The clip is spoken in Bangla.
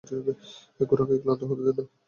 ঘোড়াকে ক্লান্ত হতে দেন না।